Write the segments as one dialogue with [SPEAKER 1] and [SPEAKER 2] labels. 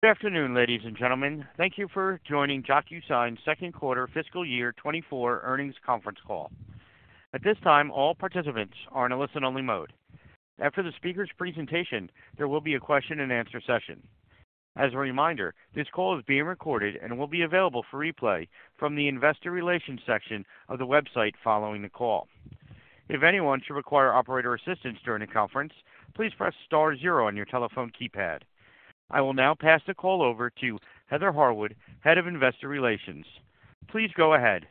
[SPEAKER 1] Good afternoon, ladies and gentlemen. Thank you for joining DocuSign's second quarter fiscal year 2024 earnings conference call. At this time, all participants are in a listen-only mode. After the speaker's presentation, there will be a question-and-answer session. As a reminder, this call is being recorded and will be available for replay from the investor relations section of the website following the call. If anyone should require operator assistance during the conference, please press star zero on your telephone keypad. I will now pass the call over to Heather Harwood, Head of Investor Relations. Please go ahead.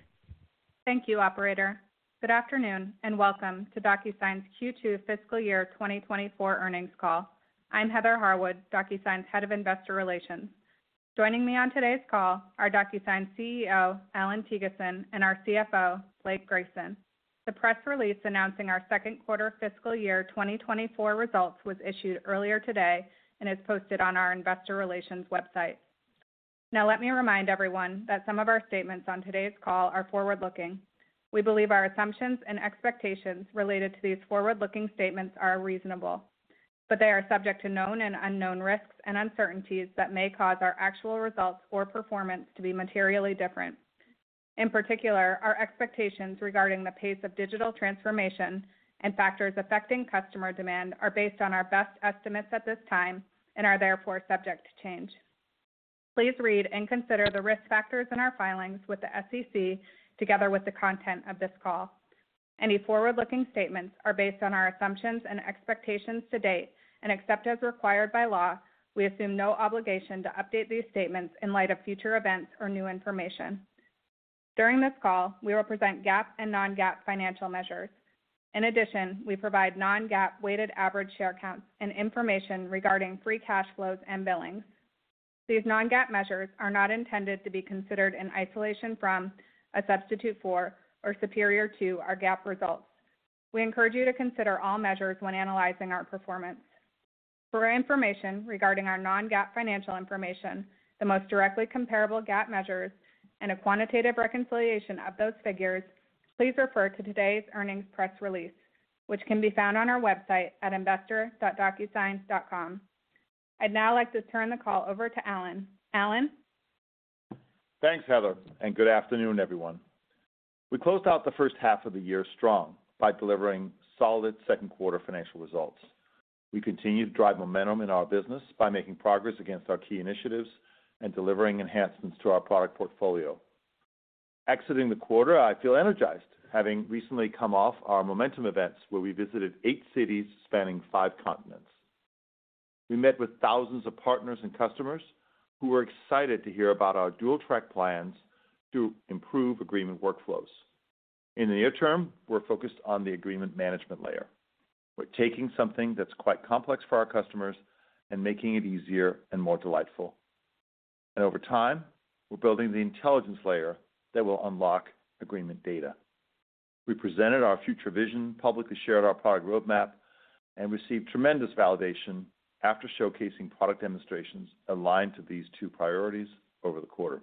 [SPEAKER 2] Thank you, operator. Good afternoon, and welcome to DocuSign's Q2 fiscal year 2024 earnings call. I'm Heather Harwood, DocuSign's Head of Investor Relations. Joining me on today's call are DocuSign's CEO, Allan Thygesen, and our CFO, Blake Grayson. The press release announcing our second quarter fiscal year 2024 results was issued earlier today and is posted on our investor relations website. Now, let me remind everyone that some of our statements on today's call are forward-looking. We believe our assumptions and expectations related to these forward-looking statements are reasonable, but they are subject to known and unknown risks and uncertainties that may cause our actual results or performance to be materially different. In particular, our expectations regarding the pace of digital transformation and factors affecting customer demand are based on our best estimates at this time and are therefore subject to change. Please read and consider the risk factors in our filings with the SEC, together with the content of this call. Any forward-looking statements are based on our assumptions and expectations to date, and except as required by law, we assume no obligation to update these statements in light of future events or new information. During this call, we will present GAAP and non-GAAP financial measures. In addition, we provide non-GAAP weighted average share counts and information regarding free cash flows and billings. These non-GAAP measures are not intended to be considered in isolation from, a substitute for, or superior to our GAAP results. We encourage you to consider all measures when analyzing our performance. For information regarding our non-GAAP financial information, the most directly comparable GAAP measures, and a quantitative reconciliation of those figures, please refer to today's earnings press release, which can be found on our website at investor dot DocuSign dot com. I'd now like to turn the call over to Allan. Allan?
[SPEAKER 3] Thanks, Heather, and good afternoon, everyone. We closed out the first half of the year strong by delivering solid second quarter financial results. We continue to drive momentum in our business by making progress against our key initiatives and delivering enhancements to our product portfolio. Exiting the quarter, I feel energized, having recently come off our Momentum events, where we visited eight cities spanning five continents. We met with thousands of partners and customers who were excited to hear about our dual-track plans to improve agreement workflows. In the near term, we're focused on the agreement management layer. We're taking something that's quite complex for our customers and making it easier and more delightful. And over time, we're building the intelligence layer that will unlock agreement data. We presented our future vision, publicly shared our product roadmap, and received tremendous validation after showcasing product demonstrations aligned to these two priorities over the quarter.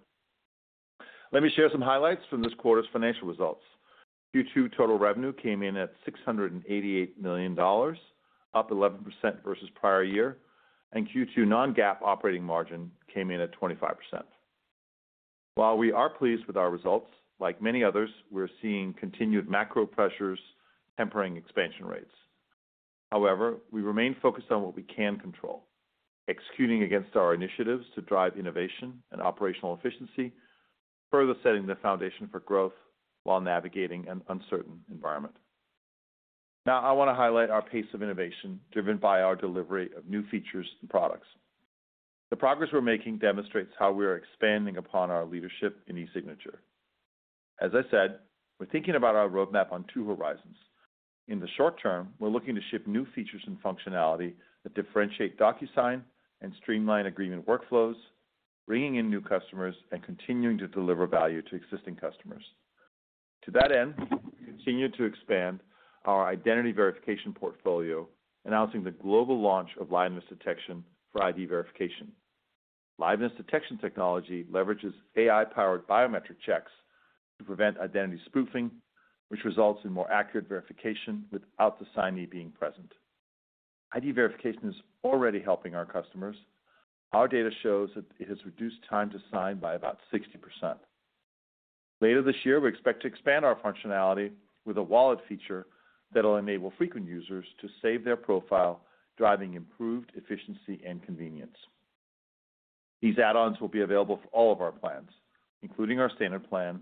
[SPEAKER 3] Let me share some highlights from this quarter's financial results. Q2 total revenue came in at $688 million, up 11% versus prior year, and Q2 non-GAAP operating margin came in at 25%. While we are pleased with our results, like many others, we're seeing continued macro pressures tempering expansion rates. However, we remain focused on what we can control, executing against our initiatives to drive innovation and operational efficiency, further setting the foundation for growth while navigating an uncertain environment. Now, I want to highlight our pace of innovation, driven by our delivery of new features and products. The progress we're making demonstrates how we are expanding upon our leadership in e-signature. As I said, we're thinking about our roadmap on two horizons. In the short term, we're looking to ship new features and functionality that differentiate DocuSign and streamline agreement workflows, bringing in new customers and continuing to deliver value to existing customers. To that end, we continue to expand our identity verification portfolio, announcing the global launch of Liveness Detection for ID Verification. Liveness Detection technology leverages AI-powered biometric checks to prevent identity spoofing, which results in more accurate verification without the signee being present. ID Verification is already helping our customers. Our data shows that it has reduced time to sign by about 60%. Later this year, we expect to expand our functionality with a wallet feature that will enable frequent users to save their profile, driving improved efficiency and convenience. These add-ons will be available for all of our plans, including our Standard plan,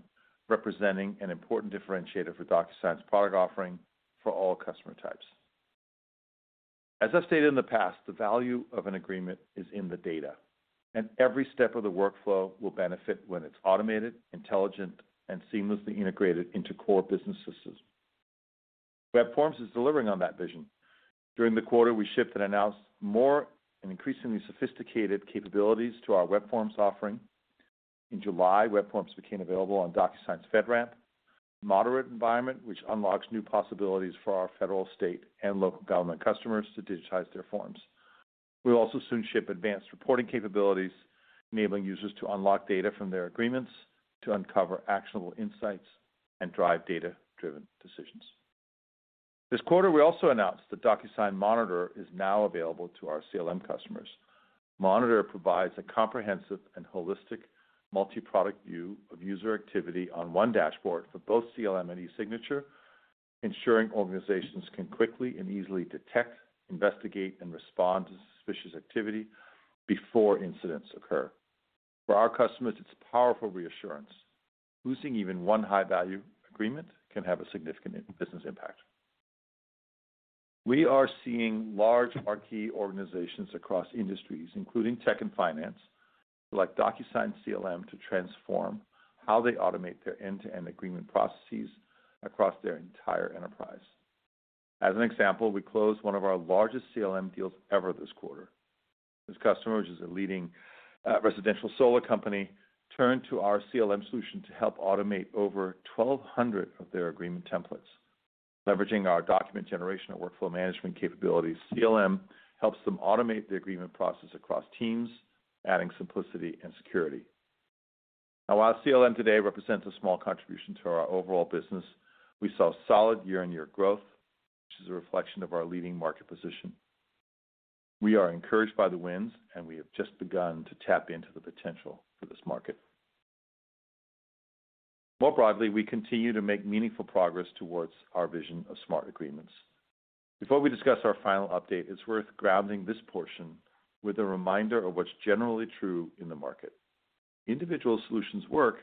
[SPEAKER 3] representing an important differentiator for DocuSign's product offering for all customer types. As I've stated in the past, the value of an agreement is in the data, and every step of the workflow will benefit when it's automated, intelligent, and seamlessly integrated into core business systems. Web Forms is delivering on that vision. During the quarter, we shipped and announced more and increasingly sophisticated capabilities to our Web Forms offering. In July, Web Forms became available on DocuSign's FedRAMP Moderate environment, which unlocks new possibilities for our federal, state, and local government customers to digitize their forms. We'll also soon ship advanced reporting capabilities, enabling users to unlock data from their agreements to uncover actionable insights and drive data-driven decisions. This quarter, we also announced that DocuSign Monitor is now available to our CLM customers. Monitor provides a comprehensive and holistic multi-product view of user activity on one dashboard for both CLM and eSignature, ensuring organizations can quickly and easily detect, investigate, and respond to suspicious activity before incidents occur. For our customers, it's a powerful reassurance. Losing even one high-value agreement can have a significant business impact. We are seeing large, marquee organizations across industries, including tech and finance, select DocuSign CLM to transform how they automate their end-to-end agreement processes across their entire enterprise. As an example, we closed one of our largest CLM deals ever this quarter. This customer, which is a leading residential solar company, turned to our CLM solution to help automate over 1,200 of their agreement templates. Leveraging our document generation and workflow management capabilities, CLM helps them automate the agreement process across teams, adding simplicity and security. Now, while CLM today represents a small contribution to our overall business, we saw solid year-on-year growth, which is a reflection of our leading market position. We are encouraged by the wins, and we have just begun to tap into the potential for this market. More broadly, we continue to make meaningful progress towards our vision of smart agreements. Before we discuss our final update, it's worth grounding this portion with a reminder of what's generally true in the market. Individual solutions work,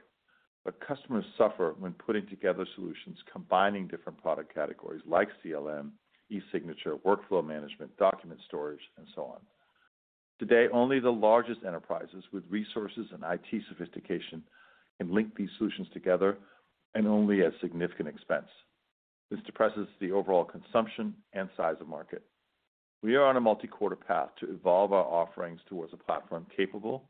[SPEAKER 3] but customers suffer when putting together solutions, combining different product categories like CLM, eSignature, workflow management, document storage, and so on. Today, only the largest enterprises with resources and IT sophistication can link these solutions together, and only at significant expense. This depresses the overall consumption and size of market. We are on a multi-quarter path to evolve our offerings towards a platform capable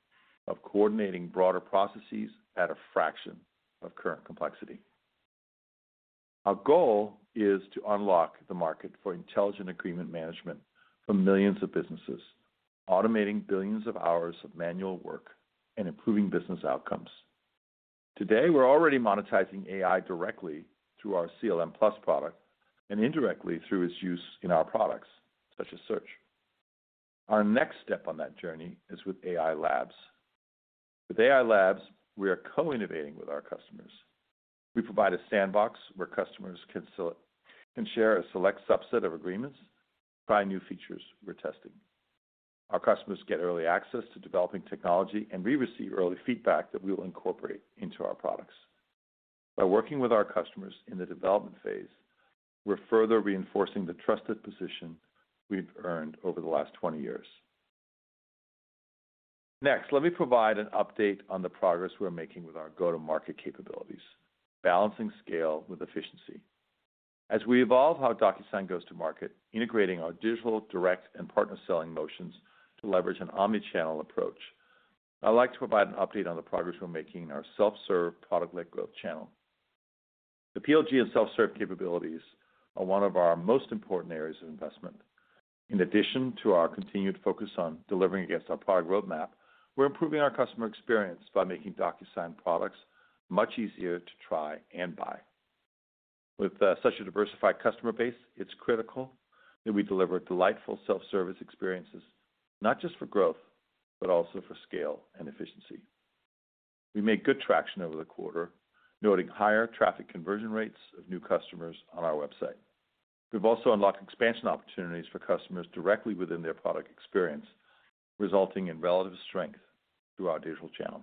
[SPEAKER 3] of coordinating broader processes at a fraction of current complexity. Our goal is to unlock the market for Intelligent Agreement Management for millions of businesses, automating billions of hours of manual work and improving business outcomes. Today, we're already monetizing AI directly through our CLM+ product and indirectly through its use in our products, such as Search. Our next step on that journey is with AI Labs. With AI Labs, we are co-innovating with our customers. We provide a sandbox where customers can share a select subset of agreements, try new features we're testing. Our customers get early access to developing technology, and we receive early feedback that we will incorporate into our products. By working with our customers in the development phase, we're further reinforcing the trusted position we've earned over the last 20 years. Next, let me provide an update on the progress we're making with our go-to-market capabilities, balancing scale with efficiency. As we evolve how DocuSign goes to market, integrating our digital, direct, and partner selling motions to leverage an omni-channel approach, I'd like to provide an update on the progress we're making in our self-serve, product-led growth channel. The PLG and self-serve capabilities are one of our most important areas of investment. In addition to our continued focus on delivering against our product roadmap, we're improving our customer experience by making DocuSign products much easier to try and buy. With such a diversified customer base, it's critical that we deliver delightful self-service experiences, not just for growth, but also for scale and efficiency. We made good traction over the quarter, noting higher traffic conversion rates of new customers on our website. We've also unlocked expansion opportunities for customers directly within their product experience, resulting in relative strength through our digital channel.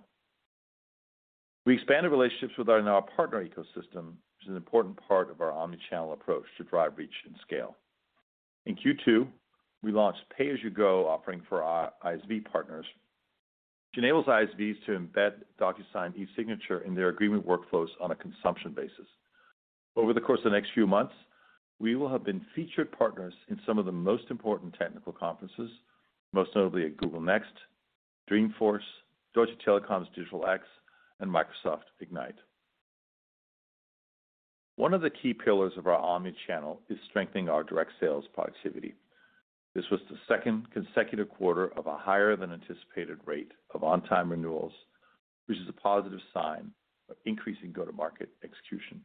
[SPEAKER 3] We expanded relationships with our partner ecosystem, which is an important part of our omni-channel approach to drive reach and scale. In Q2, we launched Pay-As-You-Go offering for our ISV partners, which enables ISVs to embed DocuSign eSignature in their agreement workflows on a consumption basis. Over the course of the next few months, we will have been featured partners in some of the most important technical conferences, most notably at Google Next, Dreamforce, Deutsche Telekom's Digital X, and Microsoft Ignite. One of the key pillars of our omni-channel approach is strengthening our direct sales productivity. This was the second consecutive quarter of a higher than anticipated rate of on-time renewals, which is a positive sign of increasing go-to-market execution.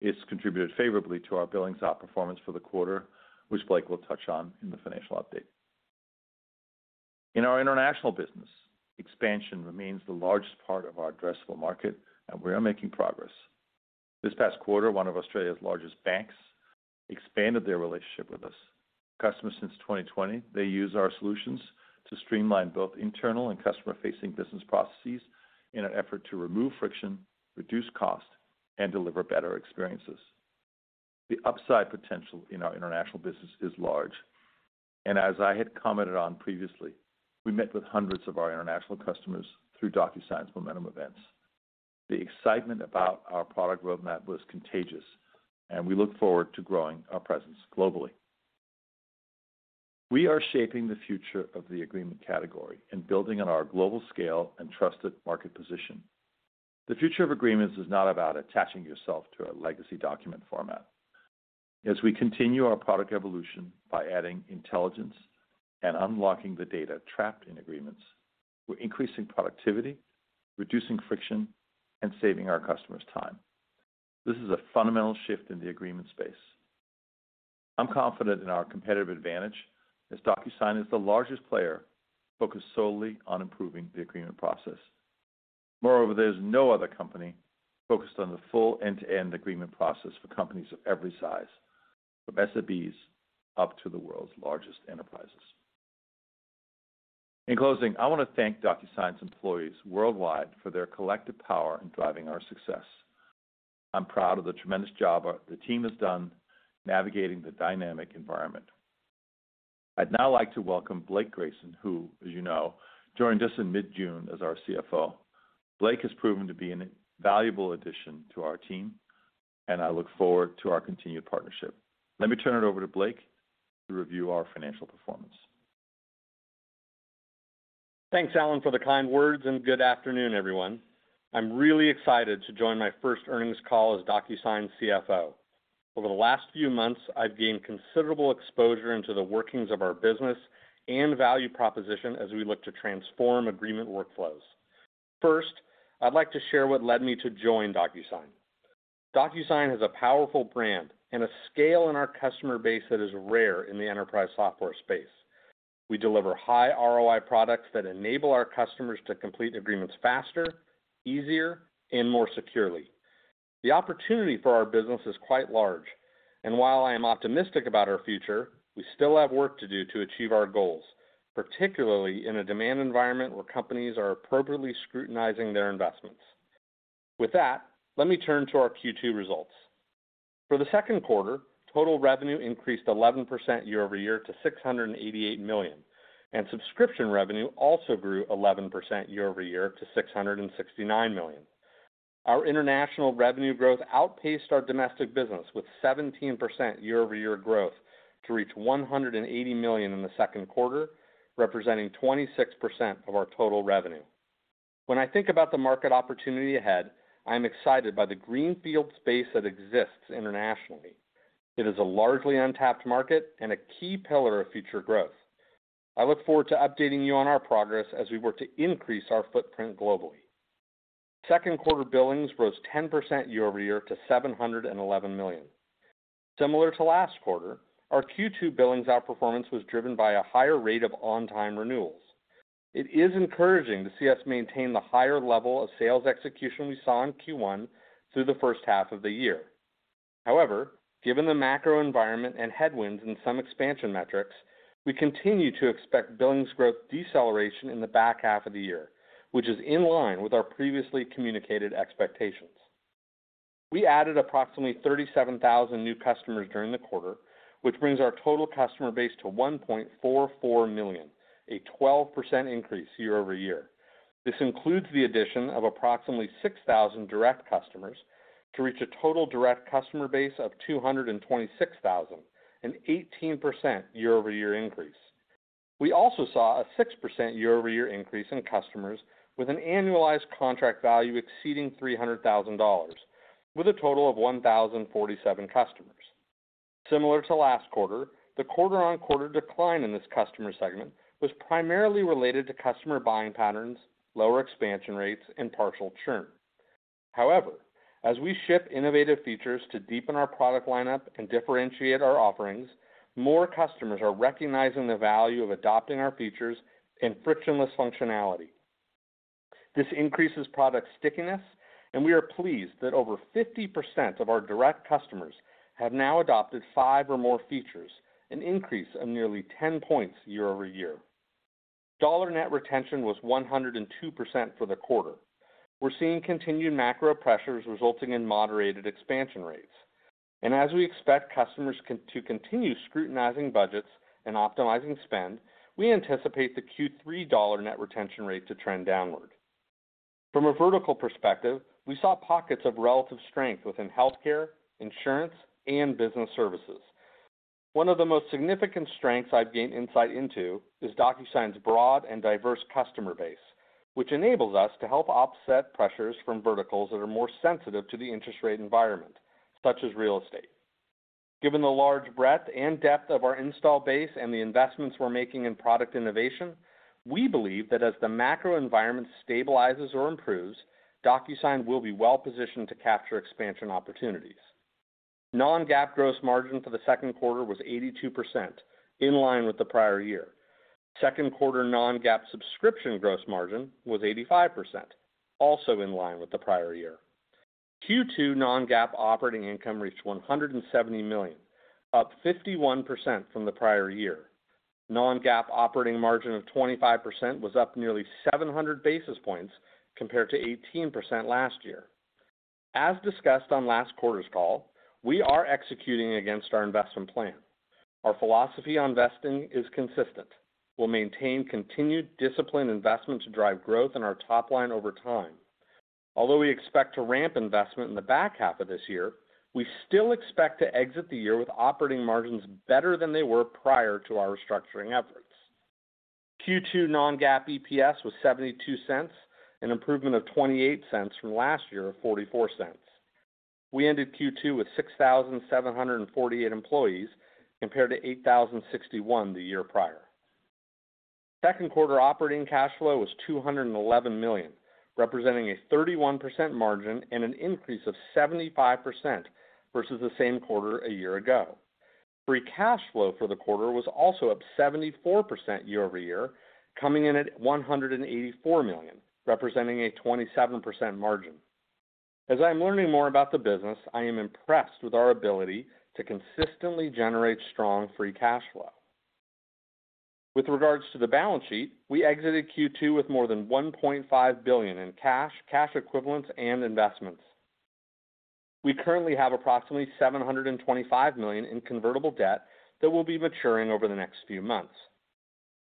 [SPEAKER 3] It's contributed favorably to our billings outperformance for the quarter, which Blake will touch on in the financial update. In our international business, expansion remains the largest part of our addressable market, and we are making progress. This past quarter, one of Australia's largest banks expanded their relationship with us. Customers since 2020, they use our solutions to streamline both internal and customer-facing business processes in an effort to remove friction, reduce cost, and deliver better experiences. The upside potential in our international business is large, and as I had commented on previously, we met with hundreds of our international customers through DocuSign's Momentum events. The excitement about our product roadmap was contagious, and we look forward to growing our presence globally. We are shaping the future of the agreement category and building on our global scale and trusted market position. The future of agreements is not about attaching yourself to a legacy document format. As we continue our product evolution by adding intelligence and unlocking the data trapped in agreements. We're increasing productivity, reducing friction, and saving our customers time. This is a fundamental shift in the agreement space. I'm confident in our competitive advantage, as DocuSign is the largest player focused solely on improving the agreement process. Moreover, there's no other company focused on the full end-to-end agreement process for companies of every size, from SMBs up to the world's largest enterprises. In closing, I want to thank DocuSign's employees worldwide for their collective power in driving our success. I'm proud of the tremendous job our team has done navigating the dynamic environment. I'd now like to welcome Blake Grayson, who, as you know, joined us in mid-June as our CFO. Blake has proven to be an invaluable addition to our team, and I look forward to our continued partnership. Let me turn it over to Blake to review our financial performance.
[SPEAKER 4] Thanks, Allan, for the kind words, and good afternoon, everyone. I'm really excited to join my first earnings call as DocuSign's CFO. Over the last few months, I've gained considerable exposure into the workings of our business and value proposition as we look to transform agreement workflows. First, I'd like to share what led me to join DocuSign. DocuSign has a powerful brand and a scale in our customer base that is rare in the enterprise software space. We deliver high ROI products that enable our customers to complete agreements faster, easier, and more securely. The opportunity for our business is quite large, and while I am optimistic about our future, we still have work to do to achieve our goals, particularly in a demand environment where companies are appropriately scrutinizing their investments. With that, let me turn to our Q2 results. For the second quarter, total revenue increased 11% year-over-year to $688 million, and subscription revenue also grew 11% year-over-year to $669 million. Our international revenue growth outpaced our domestic business with 17% year-over-year growth to reach $180 million in the second quarter, representing 26% of our total revenue. When I think about the market opportunity ahead, I'm excited by the greenfield space that exists internationally. It is a largely untapped market and a key pillar of future growth. I look forward to updating you on our progress as we work to increase our footprint globally. Second quarter billings rose 10% year-over-year to $711 million. Similar to last quarter, our Q2 billings outperformance was driven by a higher rate of on-time renewals. It is encouraging to see us maintain the higher level of sales execution we saw in Q1 through the first half of the year. However, given the macro environment and headwinds in some expansion metrics, we continue to expect billings growth deceleration in the back half of the year, which is in line with our previously communicated expectations. We added approximately 37,000 new customers during the quarter, which brings our total customer base to 1.44 million, a 12% increase year-over-year. This includes the addition of approximately 6,000 direct customers to reach a total direct customer base of 226,000, an 18% year-over-year increase. We also saw a 6% year-over-year increase in customers with an annualized contract value exceeding $300,000, with a total of 1,047 customers. Similar to last quarter, the quarter-over-quarter decline in this customer segment was primarily related to customer buying patterns, lower expansion rates, and partial churn. However, as we ship innovative features to deepen our product lineup and differentiate our offerings, more customers are recognizing the value of adopting our features and frictionless functionality. This increases product stickiness, and we are pleased that over 50% of our direct customers have now adopted five or more features, an increase of nearly 10 points year-over-year. Dollar net retention was 102% for the quarter. We're seeing continued macro pressures resulting in moderated expansion rates. And as we expect customers to continue scrutinizing budgets and optimizing spend, we anticipate the Q3 dollar net retention rate to trend downward. From a vertical perspective, we saw pockets of relative strength within healthcare, insurance, and business services. One of the most significant strengths I've gained insight into is DocuSign's broad and diverse customer base, which enables us to help offset pressures from verticals that are more sensitive to the interest rate environment, such as real estate. Given the large breadth and depth of our install base and the investments we're making in product innovation, we believe that as the macro environment stabilizes or improves, DocuSign will be well positioned to capture expansion opportunities. Non-GAAP gross margin for the second quarter was 82%, in line with the prior year. Second quarter non-GAAP subscription gross margin was 85%, also in line with the prior year. Q2 non-GAAP operating income reached $170 million, up 51% from the prior year. Non-GAAP operating margin of 25% was up nearly 700 basis points compared to 18% last year. As discussed on last quarter's call, we are executing against our investment plan. Our philosophy on investing is consistent. We'll maintain continued disciplined investment to drive growth in our top line over time. Although we expect to ramp investment in the back half of this year, we still expect to exit the year with operating margins better than they were prior to our restructuring efforts. Q2 non-GAAP EPS was $0.72, an improvement of $0.28 from last year of $0.44. We ended Q2 with 6,748 employees, compared to 8,061 the year prior. Second quarter operating cash flow was $211 million, representing a 31% margin and an increase of 75% versus the same quarter a year ago. Free cash flow for the quarter was also up 74% year-over-year, coming in at $184 million, representing a 27% margin. As I'm learning more about the business, I am impressed with our ability to consistently generate strong free cash flow. With regards to the balance sheet, we exited Q2 with more than $1.5 billion in cash, cash equivalents, and investments. We currently have approximately $725 million in convertible debt that will be maturing over the next few months.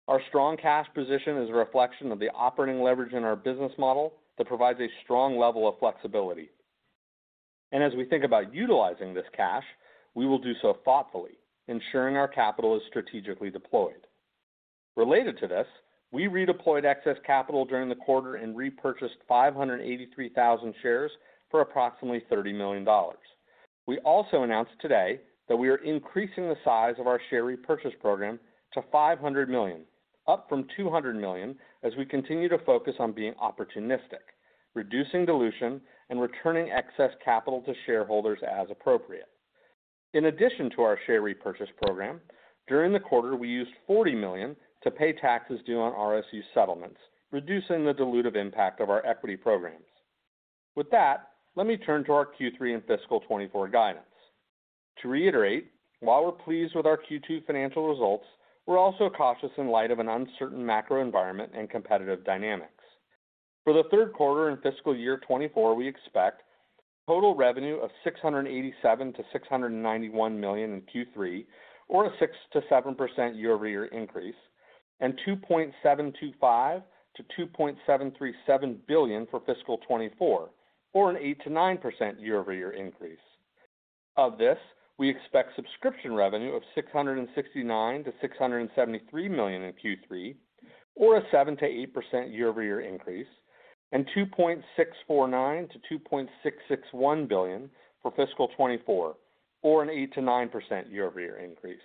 [SPEAKER 4] Our strong cash position is a reflection of the operating leverage in our business model that provides a strong level of flexibility. As we think about utilizing this cash, we will do so thoughtfully, ensuring our capital is strategically deployed. Related to this, we redeployed excess capital during the quarter and repurchased 583,000 shares for approximately $30 million. We also announced today that we are increasing the size of our share repurchase program to $500 million, up from $200 million, as we continue to focus on being opportunistic, reducing dilution, and returning excess capital to shareholders as appropriate. In addition to our share repurchase program, during the quarter, we used $40 million to pay taxes due on RSU settlements, reducing the dilutive impact of our equity programs. With that, let me turn to our Q3 and fiscal 2024 guidance. To reiterate, while we're pleased with our Q2 financial results, we're also cautious in light of an uncertain macro environment and competitive dynamics. For the third quarter and fiscal year 2024, we expect total revenue of $687 million-$691 million in Q3, or a 6%-7% year-over-year increase, and $2.725 billion-$2.737 billion for fiscal 2024, or an 8%-9% year-over-year increase. Of this, we expect subscription revenue of $669 million-$673 million in Q3, or a 7%-8% year-over-year increase, and $2.649 billion-$2.661 billion for fiscal 2024, or an 8%-9% year-over-year increase.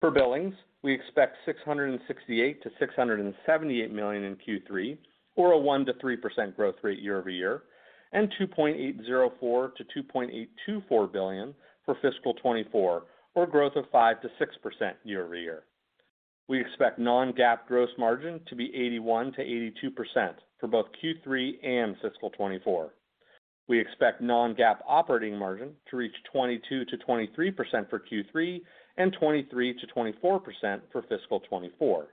[SPEAKER 4] For billings, we expect $668 million-$678 million in Q3, or a 1%-3% growth rate year-over-year, and $2.804 billion-$2.824 billion for fiscal 2024, or growth of 5%-6% year-over-year. We expect non-GAAP gross margin to be 81%-82% for both Q3 and fiscal 2024. We expect non-GAAP operating margin to reach 22%-23% for Q3 and 23%-24% for fiscal 2024.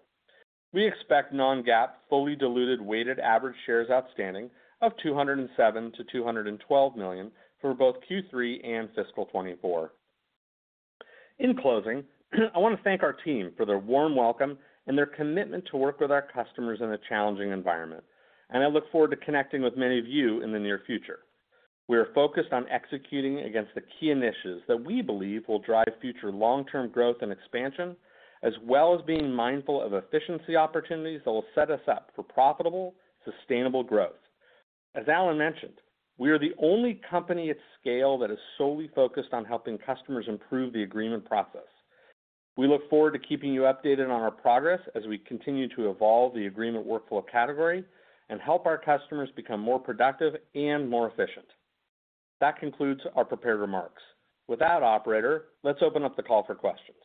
[SPEAKER 4] We expect non-GAAP, fully diluted, weighted average shares outstanding of 207 million-212 million for both Q3 and fiscal 2024. In closing, I want to thank our team for their warm welcome and their commitment to work with our customers in a challenging environment. I look forward to connecting with many of you in the near future. We are focused on executing against the key initiatives that we believe will drive future long-term growth and expansion, as well as being mindful of efficiency opportunities that will set us up for profitable, sustainable growth. As Allan mentioned, we are the only company at scale that is solely focused on helping customers improve the agreement process. We look forward to keeping you updated on our progress as we continue to evolve the agreement workflow category and help our customers become more productive and more efficient. That concludes our prepared remarks. With that, Operator, let's open up the call for questions.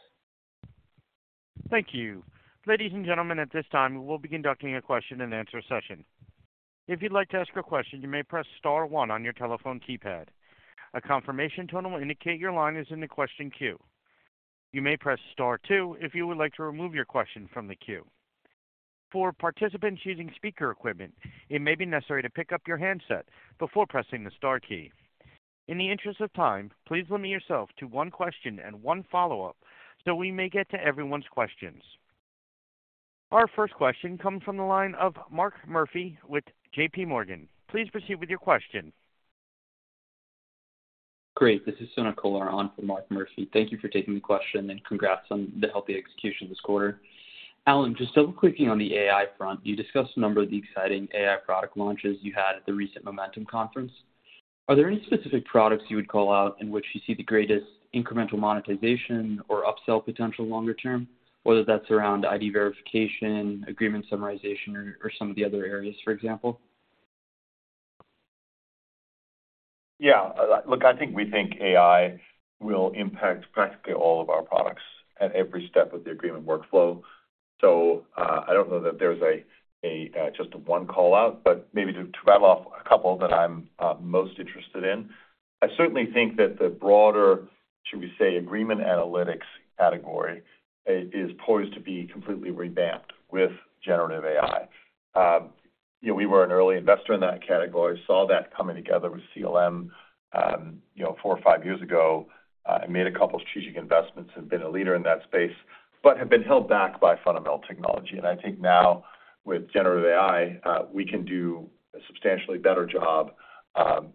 [SPEAKER 1] Thank you. Ladies and gentlemen, at this time, we will be conducting a question-and-answer session. If you'd like to ask a question, you may press star one on your telephone keypad. A confirmation tone will indicate your line is in the question queue. You may press star two if you would like to remove your question from the queue. For participants using speaker equipment, it may be necessary to pick up your handset before pressing the star key. In the interest of time, please limit yourself to one question and one follow-up, so we may get to everyone's questions. Our first question comes from the line of Mark Murphy with JPMorgan. Please proceed with your question.
[SPEAKER 5] Great, this is Sonya Steinway on for Mark Murphy. Thank you for taking the question, and congrats on the healthy execution this quarter. Allan, just double-clicking on the AI front, you discussed a number of the exciting AI product launches you had at the recent Momentum conference. Are there any specific products you would call out in which you see the greatest incremental monetization or upsell potential longer term, whether that's around ID Verification, agreement summarization, or, or some of the other areas, for example?
[SPEAKER 3] Yeah, look, I think we think AI will impact practically all of our products at every step of the agreement workflow. So, I don't know that there's just one call-out, but maybe to rattle off a couple that I'm most interested in. I certainly think that the broader, should we say, agreement analytics category, is poised to be completely revamped with Generative AI. You know, we were an early investor in that category, saw that coming together with CLM, you know, four or five years ago, and made a couple of strategic investments and been a leader in that space, but have been held back by fundamental technology. And I think now- ... with Generative AI, we can do a substantially better job,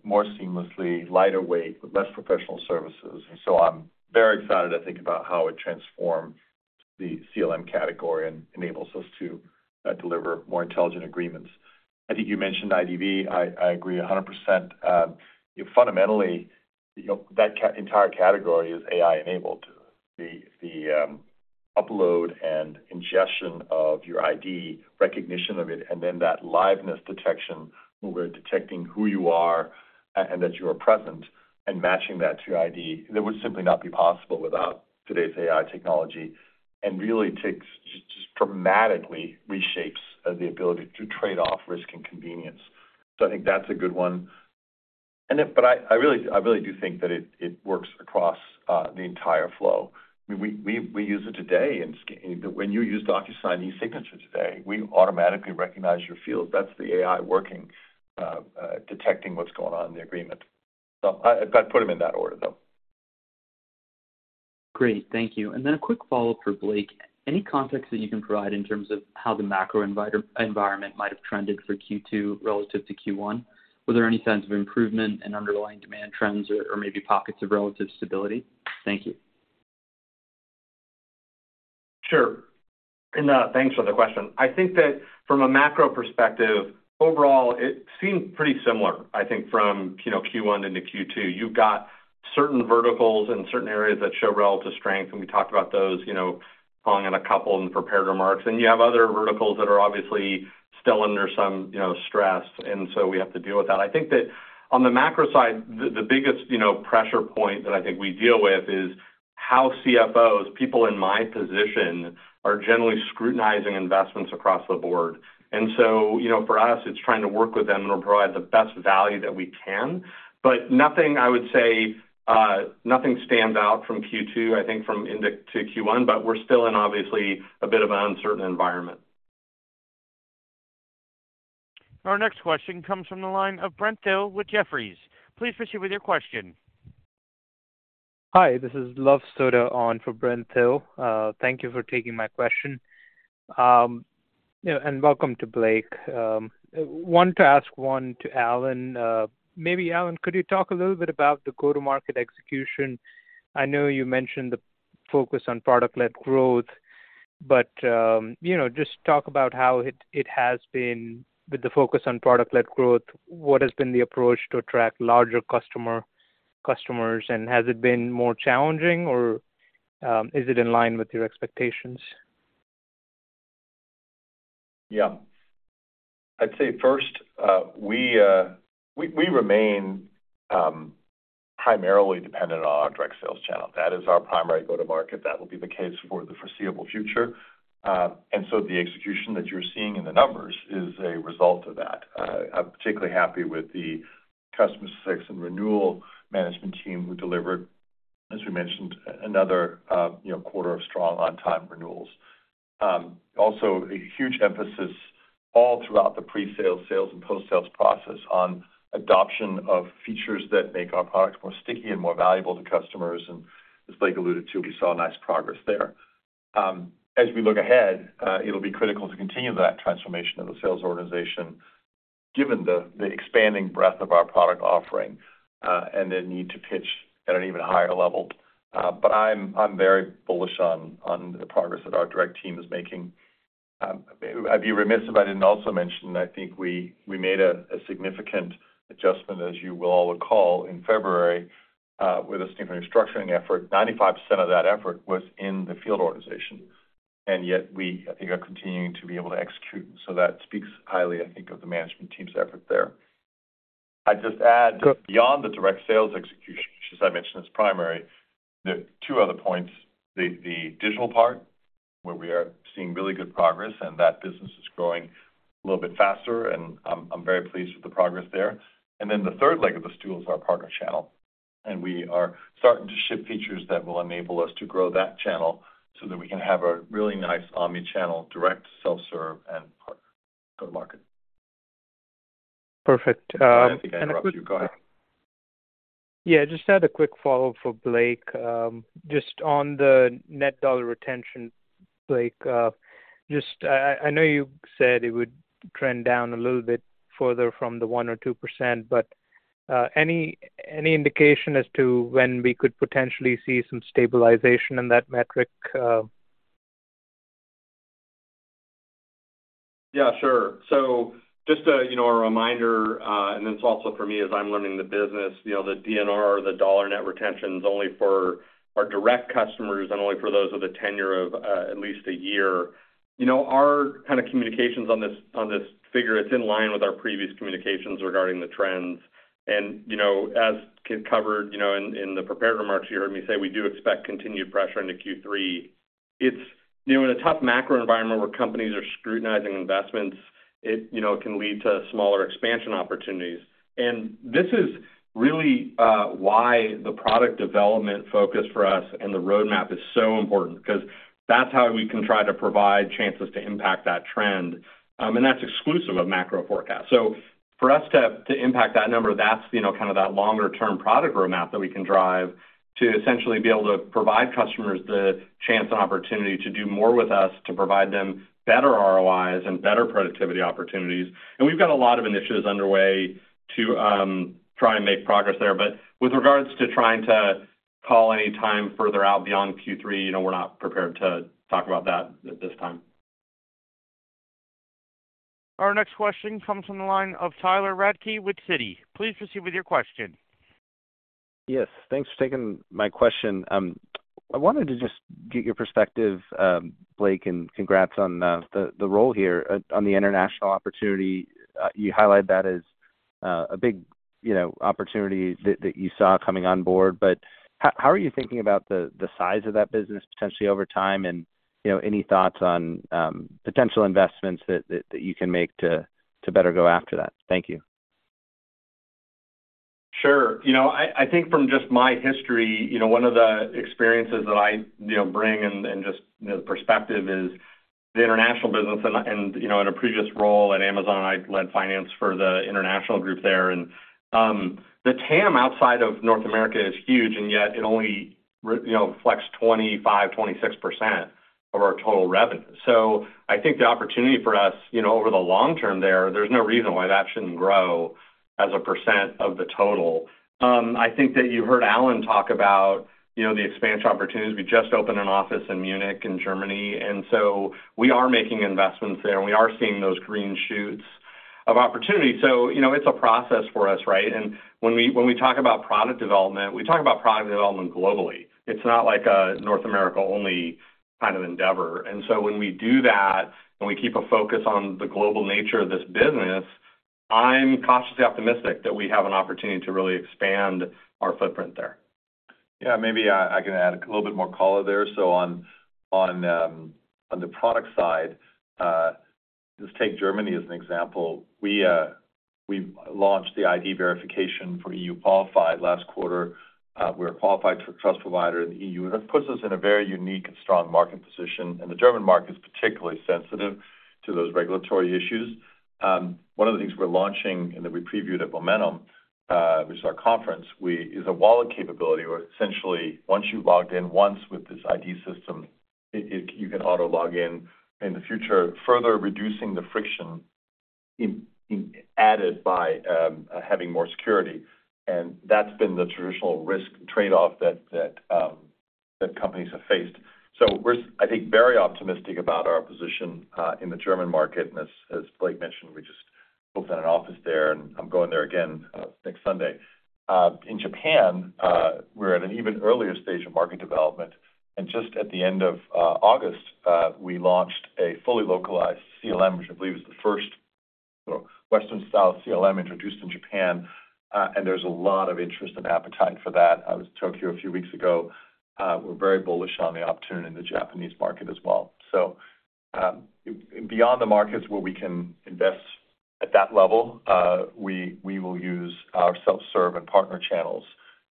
[SPEAKER 3] more seamlessly, lighter weight, with less professional services. And so I'm very excited, I think, about how it transforms the CLM category and enables us to deliver more intelligent agreements. I think you mentioned IDV. I agree 100%. Fundamentally, you know, that entire category is AI-enabled. The upload and ingestion of your ID, recognition of it, and then that Liveness Detection, where we're detecting who you are and that you are present and matching that to your ID, that would simply not be possible without today's AI technology, and really just dramatically reshapes the ability to trade off risk and convenience. So I think that's a good one. And it... But I really do think that it works across the entire flow. We use it today when you use DocuSign eSignature today, we automatically recognize your fields. That's the AI working, detecting what's going on in the agreement. So I'd put them in that order, though.
[SPEAKER 5] Great. Thank you. And then a quick follow-up for Blake. Any context that you can provide in terms of how the macro environment might have trended for Q2 relative to Q1? Were there any signs of improvement in underlying demand trends or maybe pockets of relative stability? Thank you.
[SPEAKER 4] Sure. Thanks for the question. I think that from a macro perspective, overall, it seemed pretty similar, I think, from, you know, Q1 into Q2. You've got certain verticals and certain areas that show relative strength, and we talked about those, you know, calling in a couple in prepared remarks. You have other verticals that are obviously still under some, you know, stress, and so we have to deal with that. I think that on the macro side, the biggest, you know, pressure point that I think we deal with is how CFOs, people in my position, are generally scrutinizing investments across the board. So, you know, for us, it's trying to work with them and provide the best value that we can. But nothing I would say, nothing stands out from Q2, I think from Q2 into Q1, but we're still in obviously a bit of an uncertain environment.
[SPEAKER 1] Our next question comes from the line of Brent Thill with Jefferies. Please proceed with your question.
[SPEAKER 6] Hi, this is Luv Sodha on for Brent Thill. Thank you for taking my question. You know, and welcome to Blake. I want to ask one to Allan. Maybe, Allan, could you talk a little bit about the go-to-market execution? I know you mentioned the focus on Product-Led Growth, but, you know, just talk about how it has been with the focus on Product-Led Growth, what has been the approach to attract larger customer, customers, and has it been more challenging or, is it in line with your expectations?
[SPEAKER 3] Yeah. I'd say first, we remain primarily dependent on our direct sales channel. That is our primary go-to-market. That will be the case for the foreseeable future. And so the execution that you're seeing in the numbers is a result of that. I'm particularly happy with the customer success and renewal management team, who delivered, as we mentioned, another, you know, quarter of strong on-time renewals. Also a huge emphasis all throughout the pre-sales, sales, and post-sales process on adoption of features that make our products more sticky and more valuable to customers, and as Blake alluded to, we saw a nice progress there. As we look ahead, it'll be critical to continue that transformation of the sales organization, given the expanding breadth of our product offering, and the need to pitch at an even higher level. But I'm very bullish on the progress that our direct team is making. I'd be remiss if I didn't also mention, I think we made a significant adjustment, as you will all recall, in February, with a significant restructuring effort. 95% of that effort was in the field organization, and yet we, I think, are continuing to be able to execute. So that speaks highly, I think, of the management team's effort there. I'd just add, beyond the direct sales execution, which, as I mentioned, is primary, the two other points, the digital part, where we are seeing really good progress, and that business is growing a little bit faster, and I'm very pleased with the progress there. And then the third leg of the stool is our partner channel, and we are starting to ship features that will enable us to grow that channel so that we can have a really nice omni-channel, direct, self-serve, and partner go-to-market.
[SPEAKER 6] Perfect. Uh-
[SPEAKER 3] I think I interrupted you. Go ahead.
[SPEAKER 6] Yeah, just had a quick follow-up for Blake. Just on the net dollar retention, Blake, just, I know you said it would trend down a little bit further from the 1% or 2%, but any indication as to when we could potentially see some stabilization in that metric?
[SPEAKER 4] Yeah, sure. So just a, you know, a reminder, and it's also for me as I'm learning the business, you know, the DNR, the dollar net retention, is only for our direct customers and only for those with a tenure of at least a year. You know, our kind of communications on this, on this figure, it's in line with our previous communications regarding the trends. And, you know, as covered, you know, in, in the prepared remarks, you heard me say we do expect continued pressure into Q3. It's, you know, in a tough macro environment where companies are scrutinizing investments, it, you know, can lead to smaller expansion opportunities. This is really why the product development focus for us and the roadmap is so important, 'cause that's how we can try to provide chances to impact that trend, and that's exclusive of macro forecast. For us to impact that number, that's, you know, kind of that longer-term product roadmap that we can drive to essentially be able to provide customers the chance and opportunity to do more with us, to provide them better ROIs and better productivity opportunities. And we've got a lot of initiatives underway to try and make progress there. But with regards to trying to call any time further out beyond Q3, you know, we're not prepared to talk about that at this time.
[SPEAKER 1] Our next question comes from the line of Tyler Radke with Citi. Please proceed with your question.
[SPEAKER 7] Yes, thanks for taking my question. I wanted to just get your perspective, Blake, and congrats on the role here. On the international opportunity, you highlight that as a big, you know, opportunity that you saw coming on board. But how are you thinking about the size of that business potentially over time? And, you know, any thoughts on potential investments that you can make to better go after that? Thank you.
[SPEAKER 4] Sure. You know, I think from just my history, you know, one of the experiences that I, you know, bring and, and just, you know, the perspective is the international business. And, you know, in a previous role at Amazon, I led finance for the international group there. The TAM outside of North America is huge, and yet it only reflects 25%-26% of our total revenue. I think the opportunity for us, you know, over the long term, there's no reason why that shouldn't grow as a percent of the total. I think that you heard Allan talk about, you know, the expansion opportunities. We just opened an office in Munich, in Germany, and we are making investments there, and we are seeing those green shoots of opportunity. You know, it's a process for us, right? When we talk about product development, we talk about product development globally. It's not like a North America only kind of endeavor. And so when we do that, and we keep a focus on the global nature of this business, I'm cautiously optimistic that we have an opportunity to really expand our footprint there.
[SPEAKER 3] Yeah, maybe I can add a little bit more color there. So on the product side, just take Germany as an example. We launched the ID Verification for EU Qualified last quarter. We're a qualified trust provider in the EU, and it puts us in a very unique and strong market position, and the German market is particularly sensitive to those regulatory issues. One of the things we're launching and that we previewed at Momentum, which is our conference, is a wallet capability, where essentially, once you've logged in once with this ID system, you can auto log in in the future, further reducing the friction added by having more security. And that's been the traditional risk trade-off that companies have faced. So we're, I think, very optimistic about our position in the German market, and as Blake mentioned, we just opened an office there, and I'm going there again next Sunday. In Japan, we're at an even earlier stage of market development, and just at the end of August, we launched a fully localized CLM, which I believe is the first Western-style CLM introduced in Japan, and there's a lot of interest and appetite for that. I was in Tokyo a few weeks ago. We're very bullish on the opportunity in the Japanese market as well. So, beyond the markets where we can invest at that level, we will use our self-serve and partner channels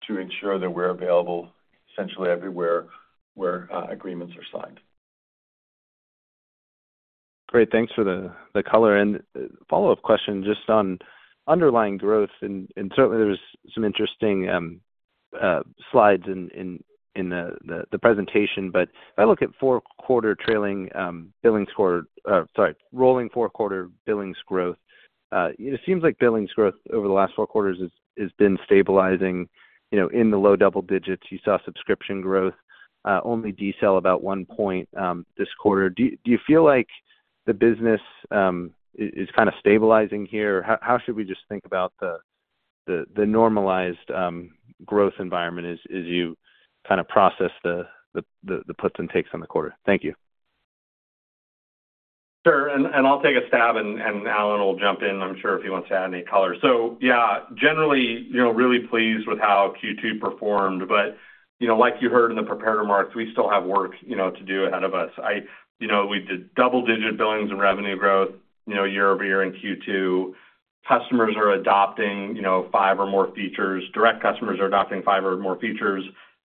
[SPEAKER 3] to ensure that we're available essentially everywhere where agreements are signed.
[SPEAKER 7] Great. Thanks for the color and follow-up question just on underlying growth, and certainly there was some interesting slides in the presentation. But if I look at four-quarter trailing, sorry, rolling four-quarter billings growth, it seems like billings growth over the last four quarters has been stabilizing, you know, in the low double digits. You saw subscription growth only decel about 1 point this quarter. Do you feel like the business is kinda stabilizing here? How should we just think about the normalized growth environment as you kinda process the puts and takes on the quarter? Thank you.
[SPEAKER 4] Sure. And I'll take a stab, and Allan will jump in, I'm sure, if he wants to add any color. So yeah, generally, you know, really pleased with how Q2 performed. But, you know, like you heard in the prepared remarks, we still have work, you know, to do ahead of us. You know, we did double-digit billings and revenue growth, you know, year-over-year in Q2. Customers are adopting, you know, 5 or more features. Direct customers are adopting 5 or more features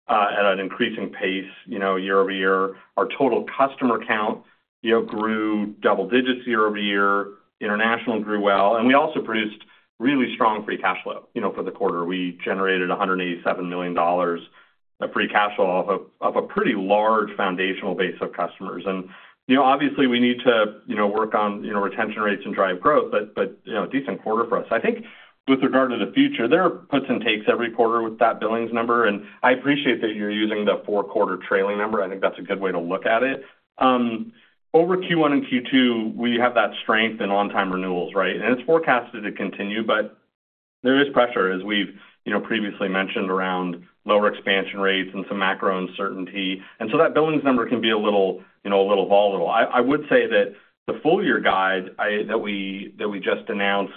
[SPEAKER 4] at an increasing pace, you know, year-over-year. Our total customer count, you know, grew double digits year-over-year, international grew well, and we also produced really strong free cash flow. You know, for the quarter, we generated $187 million of free cash flow of a pretty large foundational base of customers. You know, obviously, we need to, you know, work on, you know, retention rates and drive growth, but, you know, a decent quarter for us. I think with regard to the future, there are puts and takes every quarter with that billings number, and I appreciate that you're using the four-quarter trailing number. I think that's a good way to look at it. Over Q1 and Q2, we have that strength in on-time renewals, right? And it's forecasted to continue, but there is pressure, as we've, you know, previously mentioned, around lower expansion rates and some macro uncertainty, and so that billings number can be a little, you know, a little volatile. I would say that the full year guide, that we just announced,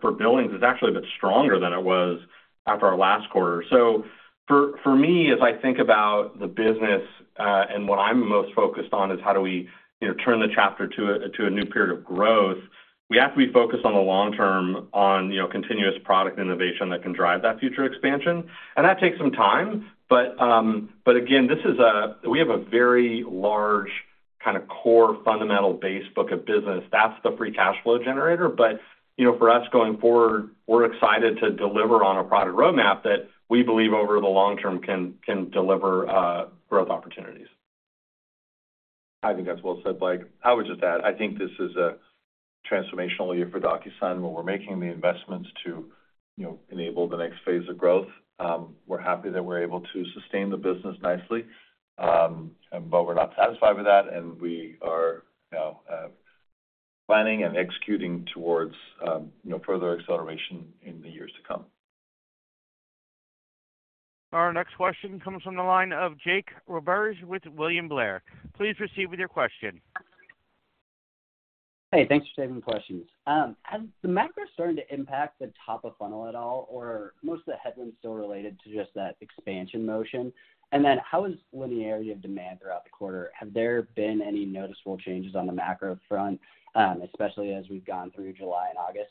[SPEAKER 4] for billings is actually a bit stronger than it was after our last quarter. So for me, as I think about the business, and what I'm most focused on is how do we, you know, turn the chapter to a new period of growth. We have to be focused on the long term, on, you know, continuous product innovation that can drive that future expansion. And that takes some time, but again, this is a very large kind of core fundamental base book of business, that's the free cash flow generator. But, you know, for us going forward, we're excited to deliver on a product roadmap that we believe over the long term can deliver growth opportunities.
[SPEAKER 3] I think that's well said, Blake. I would just add, I think this is a transformational year for DocuSign, where we're making the investments to, you know, enable the next phase of growth. We're happy that we're able to sustain the business nicely, but we're not satisfied with that, and we are, you know, planning and executing towards, you know, further acceleration in the years to come.
[SPEAKER 1] Our next question comes from the line of Jake Roberge with William Blair. Please proceed with your question.
[SPEAKER 8] Hey, thanks for taking the questions. Has the macro starting to impact the top of funnel at all, or most of the headwinds still related to just that expansion motion? And then how is linearity of demand throughout the quarter? Have there been any noticeable changes on the macro front, especially as we've gone through July and August?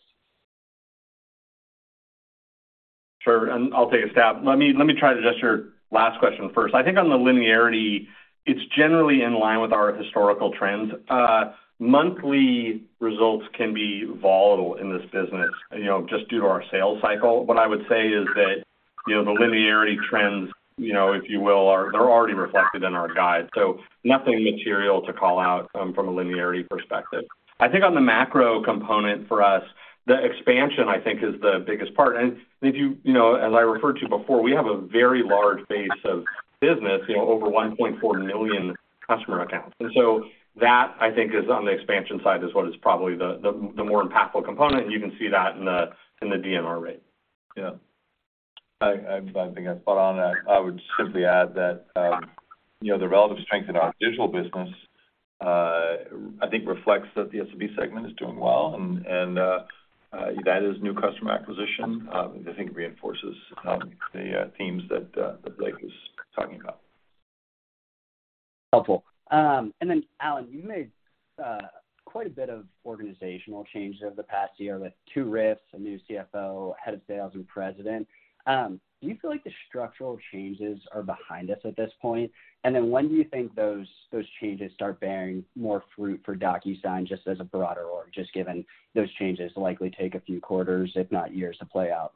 [SPEAKER 4] Sure, and I'll take a stab. Let me, let me try to address your last question first. I think on the linearity, it's generally in line with our historical trends. Monthly results can be volatile in this business, you know, just due to our sales cycle. What I would say is that, you know, the linearity trends, you know, if you will, are—they're already reflected in our guide, so nothing material to call out from a linearity perspective. I think on the macro component for us, the expansion, I think, is the biggest part. And if you—you know, as I referred to before, we have a very large base of business, you know, over 1.4 million customer accounts. So that, I think, is on the expansion side, is what is probably the more impactful component, and you can see that in the DNR rate.
[SPEAKER 3] Yeah. I think that's spot on. I would simply add that, you know, the relative strength in our digital business, I think reflects that the SMB segment is doing well, and that is new customer acquisition. I think it reinforces the themes that Blake was talking about.
[SPEAKER 8] Helpful. And then, Allan, you made quite a bit of organizational changes over the past year, with two RIFs, a new CFO, head of sales and president. Do you feel like the structural changes are behind us at this point? And then when do you think those, those changes start bearing more fruit for DocuSign, just as a broader org, just given those changes likely take a few quarters, if not years, to play out?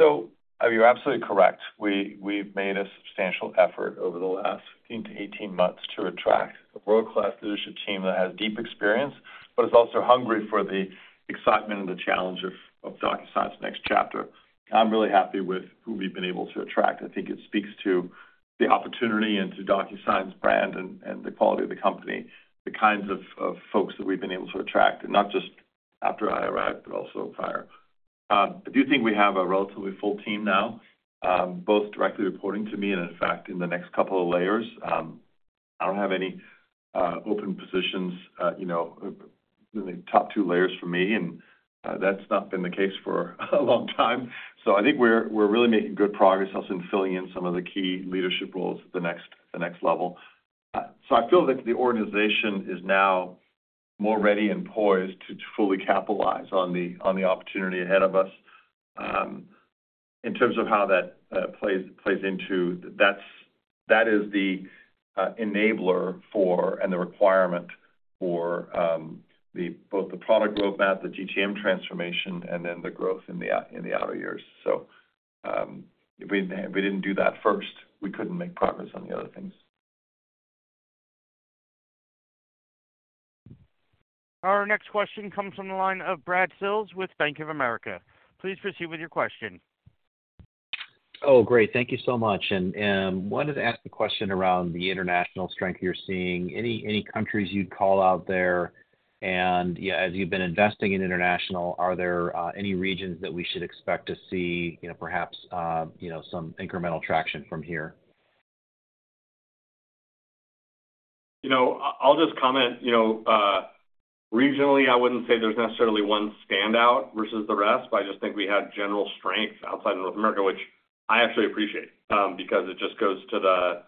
[SPEAKER 3] So you're absolutely correct. We've made a substantial effort over the last 15-18 months to attract a world-class leadership team that has deep experience but is also hungry for the excitement and the challenge of DocuSign's next chapter. I'm really happy with who we've been able to attract. I think it speaks to the opportunity and to DocuSign's brand and the quality of the company, the kinds of folks that we've been able to attract, and not just after I arrived, but also prior. I do think we have a relatively full team now, both directly reporting to me and in fact, in the next couple of layers. I don't have any open positions, you know, in the top two layers for me, and that's not been the case for a long time. So I think we're really making good progress also in filling in some of the key leadership roles at the next level. So I feel that the organization is now more ready and poised to fully capitalize on the opportunity ahead of us. In terms of how that plays into, that is the enabler for, and the requirement for, both the product roadmap, the GTM transformation, and then the growth in the outer years. So, if we didn't do that first, we couldn't make progress on the other things.
[SPEAKER 1] Our next question comes from the line of Brad Sills with Bank of America. Please proceed with your question.
[SPEAKER 9] Oh, great. Thank you so much. And wanted to ask the question around the international strength you're seeing. Any, any countries you'd call out there? And, yeah, as you've been investing in international, are there any regions that we should expect to see, you know, perhaps you know, some incremental traction from here?
[SPEAKER 4] You know, I'll just comment, you know, regionally, I wouldn't say there's necessarily one standout versus the rest, but I just think we have general strength outside of North America, which I actually appreciate, because it just goes to the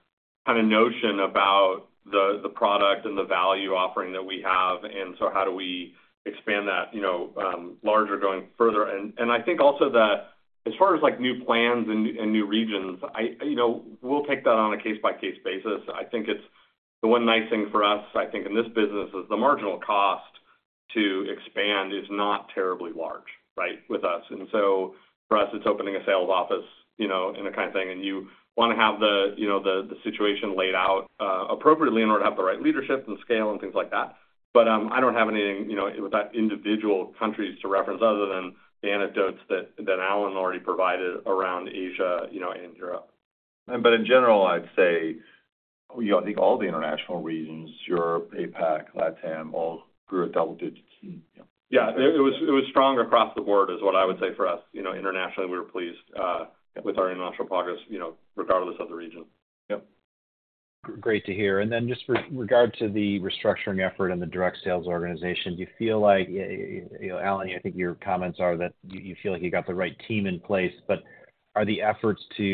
[SPEAKER 4] kind of notion about the, the product and the value offering that we have, and so how do we expand that, you know, larger, going further. And I think also that as far as, like, new plans and new regions, I, you know, we'll take that on a case-by-case basis. I think it's the one nice thing for us, I think, in this business, is the marginal cost to expand is not terribly large, right, with us. And so for us, it's opening a sales office, you know, and that kind of thing, and you want to have the, you know, the situation laid out appropriately in order to have the right leadership and scale and things like that. But I don't have anything, you know, with that individual countries to reference other than the anecdotes that Allan already provided around Asia, you know, and Europe.
[SPEAKER 3] But in general, I'd say, we got, I think, all the international regions, Europe, APAC, LATAM, all grew at double digits.
[SPEAKER 4] Yeah. It was, it was stronger across the board is what I would say for us. You know, internationally, we were pleased with our international progress, you know, regardless of the region.
[SPEAKER 3] Yep.
[SPEAKER 9] Great to hear. Then just with regard to the restructuring effort and the direct sales organization, do you feel like, you know, Allan, I think your comments are that you feel like you got the right team in place, but are the efforts to,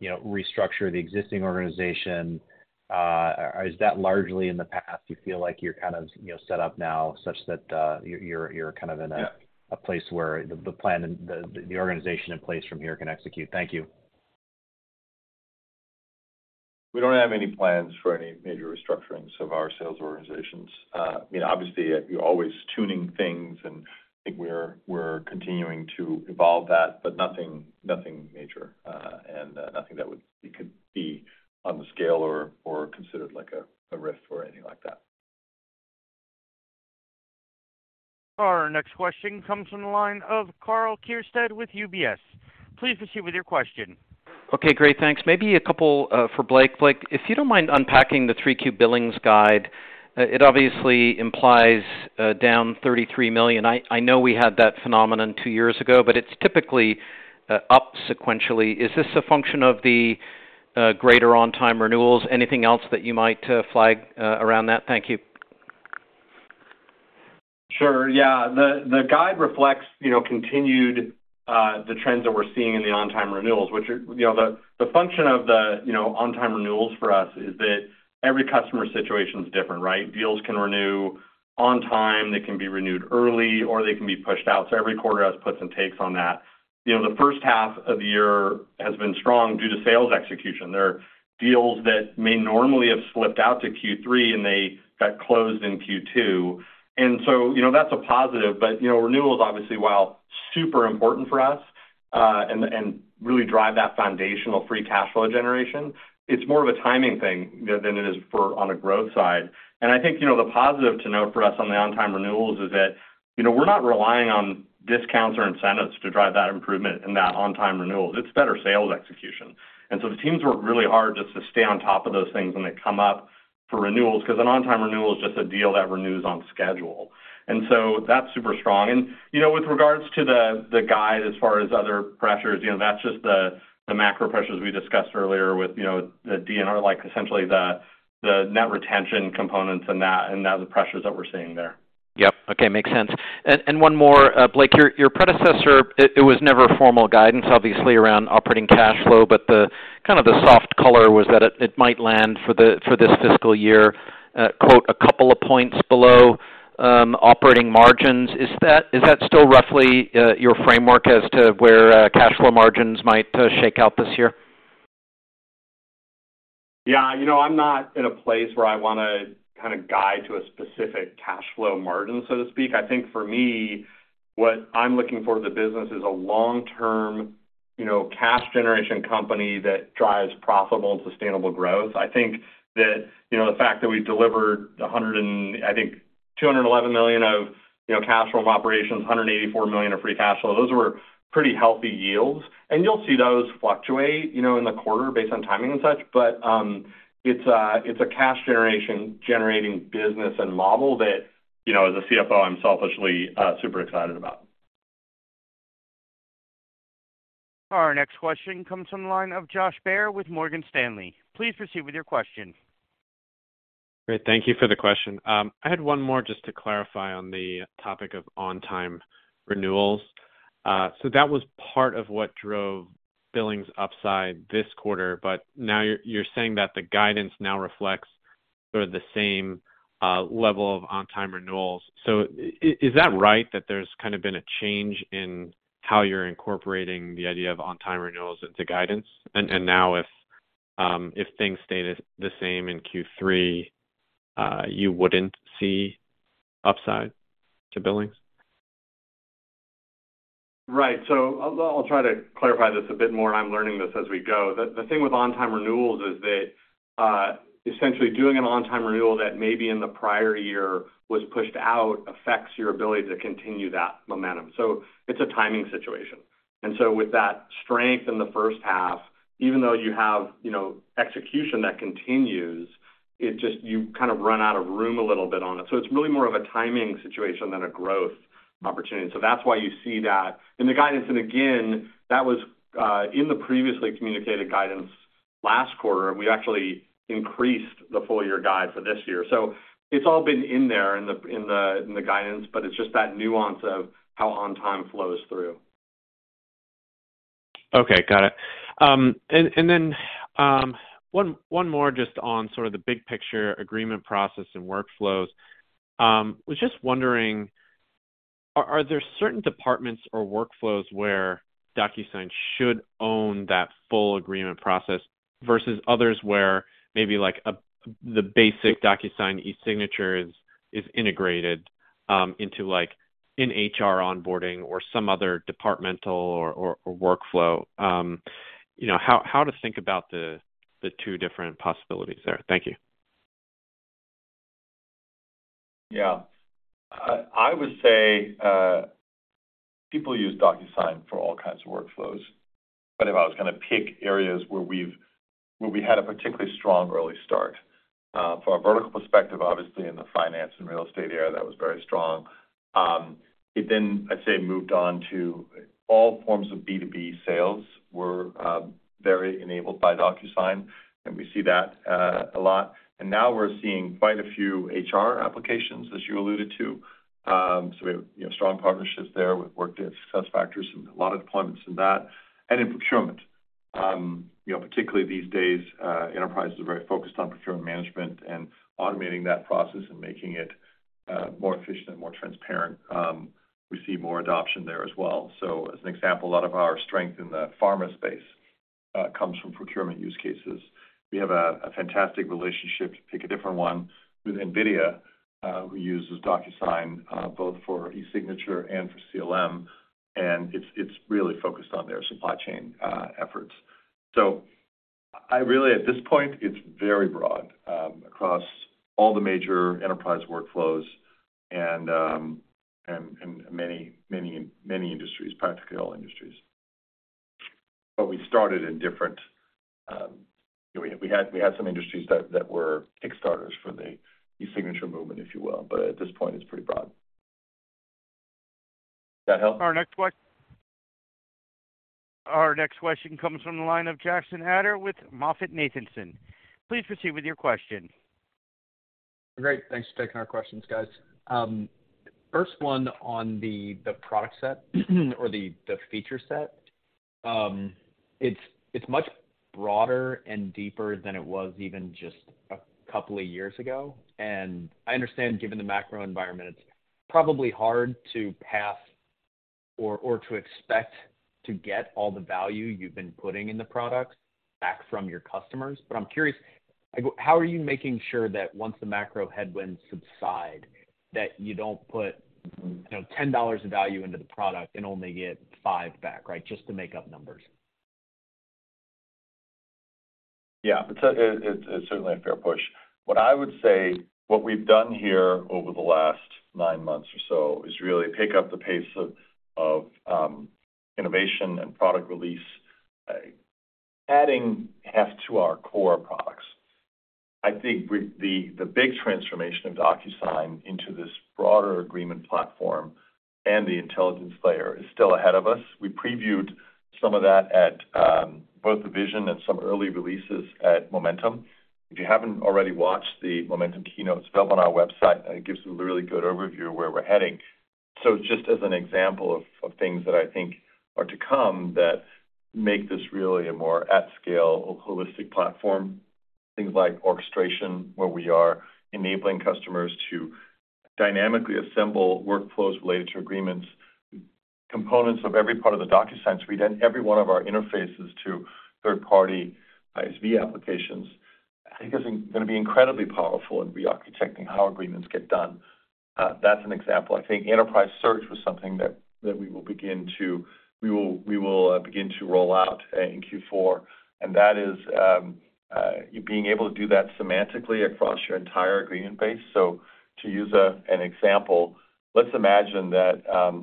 [SPEAKER 9] you know, restructure the existing organization, is that largely in the past? Do you feel like you're kind of, you know, set up now such that, you're kind of in a-
[SPEAKER 3] Yeah...
[SPEAKER 9] a place where the plan and the organization in place from here can execute? Thank you.
[SPEAKER 3] We don't have any plans for any major restructurings of our sales organizations. I mean, obviously, you're always tuning things, and I think we're continuing to evolve that, but nothing major, and nothing that would—it could be on the scale or considered like a RIF or anything like that.
[SPEAKER 1] Our next question comes from the line of Karl Keirstead with UBS. Please proceed with your question.
[SPEAKER 10] Okay, great, thanks. Maybe a couple for Blake. Blake, if you don't mind unpacking the 3Q billings guide, it obviously implies down $33 million. I know we had that phenomenon two years ago, but it's typically up sequentially. Is this a function of the greater on-time renewals? Anything else that you might flag around that? Thank you.
[SPEAKER 4] Sure. Yeah. The guide reflects, you know, continued the trends that we're seeing in the on-time renewals, which are, you know, the function of the, you know, on-time renewals for us, is that every customer situation is different, right? Deals can renew on time, they can be renewed early, or they can be pushed out. So every quarter has puts and takes on that. You know, the first half of the year has been strong due to sales execution. There are deals that may normally have slipped out to Q3, and they got closed in Q2, and so, you know, that's a positive. But, you know, renewals, obviously, while super important for us, and, and really drive that foundational free cash flow generation, it's more of a timing thing, you know, than it is for on a growth side. And I think, you know, the positive to note for us on the on-time renewals is that, you know, we're not relying on discounts or incentives to drive that improvement in that on-time renewals. It's better sales execution. And so the teams work really hard just to stay on top of those things when they come up for renewals, 'cause an on-time renewal is just a deal that renews on schedule. And so that's super strong. And, you know, with regards to the, the guide as far as other pressures, you know, that's just the, the macro pressures we discussed earlier with, you know, the DNR, like essentially the, the net retention components and that, and that the pressures that we're seeing there.
[SPEAKER 10] Yep. Okay, makes sense. And one more, Blake, your predecessor, it was never formal guidance, obviously, around operating cash flow, but the kind of the soft color was that it might land for this fiscal year, quote, "a couple of points below," operating margins. Is that still roughly your framework as to where cash flow margins might shake out this year?
[SPEAKER 4] Yeah, you know, I'm not in a place where I wanna kinda guide to a specific cash flow margin, so to speak. I think for me, what I'm looking for in the business is a long-term, you know, cash generation company that drives profitable and sustainable growth. I think that, you know, the fact that we delivered $211 million of, you know, cash flow from operations, $184 million of free cash flow, those were pretty healthy yields. And you'll see those fluctuate, you know, in the quarter based on timing and such. But, it's a, it's a cash generation-generating business and model that, you know, as a CFO, I'm selfishly super excited about.
[SPEAKER 1] Our next question comes from the line of Josh Baer with Morgan Stanley. Please proceed with your question.
[SPEAKER 11] Great. Thank you for the question. I had one more just to clarify on the topic of on-time renewals. So that was part of what drove billings upside this quarter, but now you're saying that the guidance now reflects sort of the same level of on-time renewals. So is that right, that there's kind of been a change in how you're incorporating the idea of on-time renewals into guidance? And now if things stayed the same in Q3, you wouldn't see upside to billings?
[SPEAKER 4] Right. So I'll try to clarify this a bit more. I'm learning this as we go. The thing with on-time renewals is that, essentially doing an on-time renewal that maybe in the prior year was pushed out, affects your ability to continue that momentum. So it's a timing situation. And so with that strength in the first half, even though you have, you know, execution that continues, it just... You kind of run out of room a little bit on it. So it's really more of a timing situation than a growth opportunity. So that's why you see that in the guidance. And again, that was in the previously communicated guidance last quarter, we actually increased the full year guide for this year. So it's all been in there, in the guidance, but it's just that nuance of how on time flows through.
[SPEAKER 11] Okay, got it. And then one more just on sort of the big picture agreement process and workflows. Was just wondering, are there certain departments or workflows where DocuSign should own that full agreement process, versus others where maybe like the basic DocuSign eSignature is integrated into like an HR onboarding or some other departmental or workflow? You know, how to think about the two different possibilities there? Thank you.
[SPEAKER 3] Yeah. I would say people use DocuSign for all kinds of workflows, but if I was gonna pick areas where we had a particularly strong early start from a vertical perspective, obviously in the finance and real estate area, that was very strong. It then, I'd say, moved on to all forms of B2B sales, were very enabled by DocuSign, and we see that a lot. And now we're seeing quite a few HR applications, as you alluded to. So we have, you know, strong partnerships there. We've worked with SuccessFactors and a lot of deployments in that and in procurement. You know, particularly these days, enterprises are very focused on procurement management and automating that process and making it more efficient and more transparent. We see more adoption there as well. So as an example, a lot of our strength in the pharma space comes from procurement use cases. We have a fantastic relationship, to pick a different one, with NVIDIA, who uses DocuSign, both for e-signature and for CLM, and it's really focused on their supply chain efforts. So I really, at this point, it's very broad, across all the major enterprise workflows and many, many, many industries, practically all industries. But we started in different. We had some industries that were kickstarters for the e-signature movement, if you will, but at this point, it's pretty broad. That help?
[SPEAKER 1] Our next question comes from the line of Jackson Ader with MoffettNathanson. Please proceed with your question.
[SPEAKER 12] Great. Thanks for taking our questions, guys. First one on the product set, or the feature set. It's much broader and deeper than it was even just a couple of years ago, and I understand given the macro environment, it's probably hard to pass or to expect to get all the value you've been putting in the products back from your customers. But I'm curious, like, how are you making sure that once the macro headwinds subside, that you don't put, you know, $10 of value into the product and only get $5 back, right? Just to make up numbers.
[SPEAKER 3] Yeah, it's, it's certainly a fair push. What I would say, what we've done here over the last nine months or so, is really pick up the pace of innovation and product release, adding heft to our core products. I think the big transformation of DocuSign into this broader agreement platform and the intelligence layer is still ahead of us. We previewed some of that at both the vision and some early releases at Momentum. If you haven't already watched the Momentum keynotes, it's available on our website, and it gives you a really good overview of where we're heading. So just as an example of things that I think are to come that make this really a more at-scale, holistic platform, things like orchestration, where we are enabling customers to dynamically assemble workflows related to agreements, components of every part of the DocuSign suite and every one of our interfaces to third-party ISV applications. I think it's gonna be incredibly powerful in rearchitecting how agreements get done. That's an example. I think enterprise search was something that we will begin to roll out in Q4, and that is you being able to do that semantically across your entire agreement base. So to use an example, let's imagine that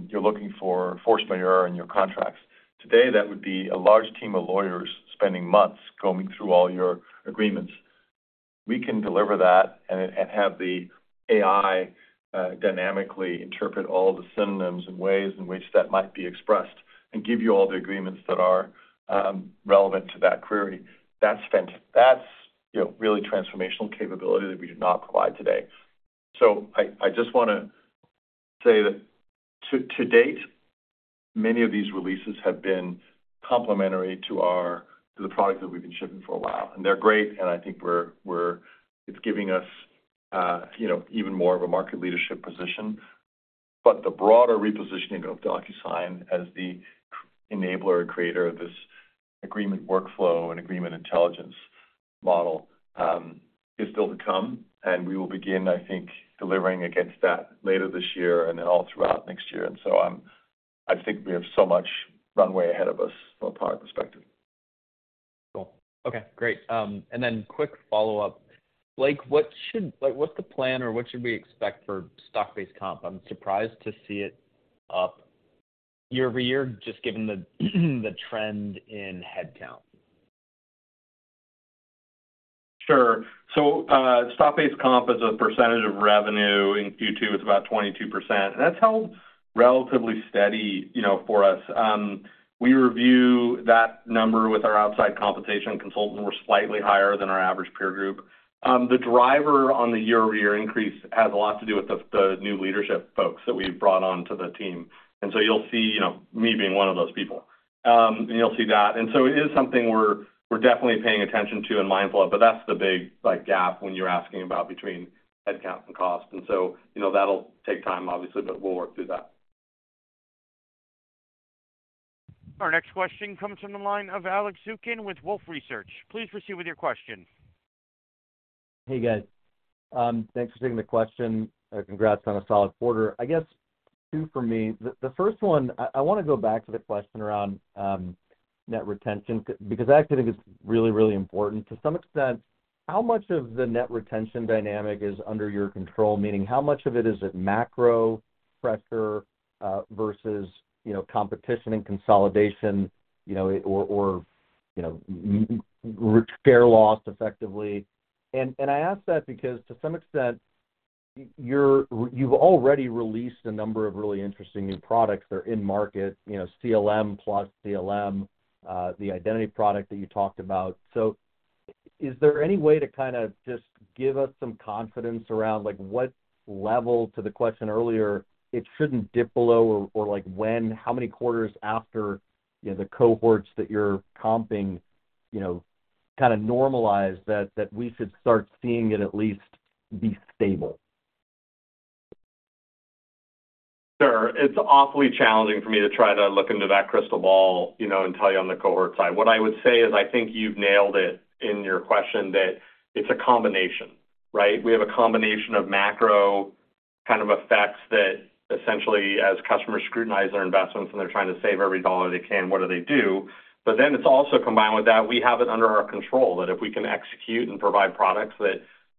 [SPEAKER 3] you're looking for force majeure in your contracts. Today, that would be a large team of lawyers spending months combing through all your agreements. We can deliver that and have the AI dynamically interpret all the synonyms and ways in which that might be expressed, and give you all the agreements that are relevant to that query. That's, you know, really transformational capability that we do not provide today. So I just wanna say that to date, many of these releases have been complementary to the product that we've been shipping for a while. And they're great, and I think we're... it's giving us, you know, even more of a market leadership position. But the broader repositioning of DocuSign as the enabler and creator of this agreement workflow and agreement intelligence model is still to come, and we will begin, I think, delivering against that later this year and then all throughout next year. I think we have so much runway ahead of us from a product perspective.
[SPEAKER 12] Cool. Okay, great. And then quick follow-up. Blake, what should... Like, what's the plan or what should we expect for stock-based comp? I'm surprised to see it up year-over-year, just given the trend in headcount.
[SPEAKER 4] Sure. So, stock-based comp as a percentage of revenue in Q2 is about 22%, and that's held relatively steady, you know, for us. We review that number with our outside compensation consultant, we're slightly higher than our average peer group. The driver on the year-over-year increase has a lot to do with the, the new leadership folks that we've brought on to the team. And so you'll see, you know, me being one of those people, and you'll see that. And so it is something we're, we're definitely paying attention to and mindful of, but that's the big like, gap when you're asking about between headcount and cost. And so, you know, that'll take time, obviously, but we'll work through that.
[SPEAKER 1] Our next question comes from the line of Alex Zukin with Wolfe Research. Please proceed with your question.
[SPEAKER 13] Hey, guys. Thanks for taking the question, congrats on a solid quarter. I guess two for me. The first one, I wanna go back to the question around net retention, because I actually think it's really, really important. To some extent, how much of the net retention dynamic is under your control? Meaning, how much of it is it macro pressure versus, you know, competition and consolidation, you know, or share loss effectively? I ask that because to some extent, you've already released a number of really interesting new products. They're in market, you know, CLM plus CLM, the identity product that you talked about. Is there any way to kind of just give us some confidence around, like, what level, to the question earlier, it shouldn't dip below, or like, when, how many quarters after, you know, the cohorts that you're comping, you know, kind of normalize that, that we should start seeing it at least be stable? ...
[SPEAKER 4] It's awfully challenging for me to try to look into that crystal ball, you know, and tell you on the cohort side. What I would say is, I think you've nailed it in your question, that it's a combination, right? We have a combination of macro kind of effects that essentially, as customers scrutinize their investments and they're trying to save every dollar they can, what do they do? But then it's also combined with that, we have it under our control, that if we can execute and provide products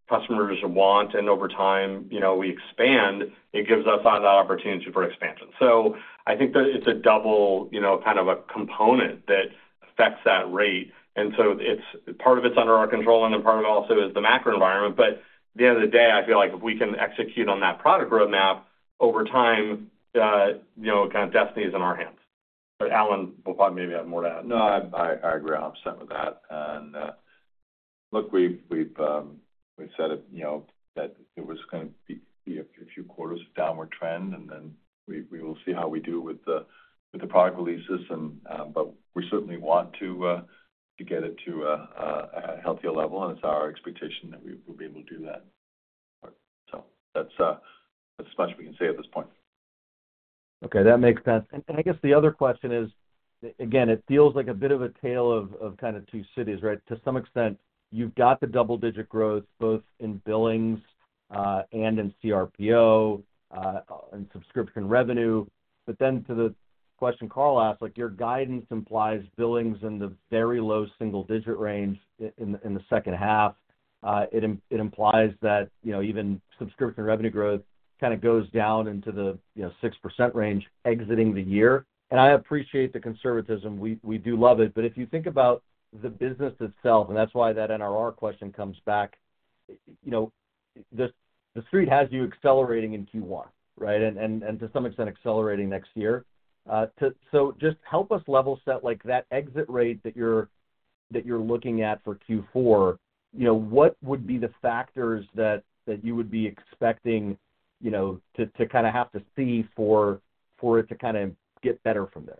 [SPEAKER 4] that customers want, and over time, you know, we expand, it gives us that opportunity for expansion. So I think that it's a double, you know, kind of a component that affects that rate. And so it's part of it's under our control, and then part of it also is the macro environment. But at the end of the day, I feel like if we can execute on that product roadmap over time, you know, kind of destiny is in our hands. But Allan will probably maybe have more to add.
[SPEAKER 3] No, I agree. I'm set with that. And, look, we've said it, you know, that it was gonna be a few quarters of downward trend, and then we will see how we do with the product releases. And, but we certainly want to get it to a healthier level, and it's our expectation that we will be able to do that. So that's, that's as much as we can say at this point.
[SPEAKER 13] Okay, that makes sense. And I guess the other question is, again, it feels like a bit of a tale of, of kind of two cities, right? To some extent, you've got the double-digit growth, both in billings, and in CRPO, and subscription revenue. But then to the question Karl asked, like, your guidance implies billings in the very low single-digit range in the second half. It implies that, you know, even subscription revenue growth kind of goes down into the, you know, 6% range exiting the year. And I appreciate the conservatism. We do love it. But if you think about the business itself, and that's why that NRR question comes back, you know, the street has you accelerating in Q1, right? And to some extent, accelerating next year. So just help us level set, like, that exit rate that you're looking at for Q4. You know, what would be the factors that you would be expecting, you know, to kind of have to see for it to kind of get better from there?